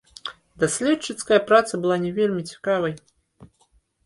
Даследчыцкая праца была не вельмі цікавай.